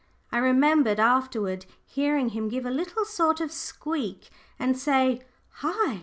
I remembered afterwards hearing him give a sort of little squeak, and say, "Hi!